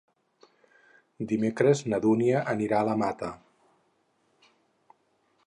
Dimecres na Dúnia anirà a la Mata.